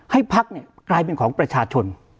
ให้พรรก์กลายเป็นของประชาชน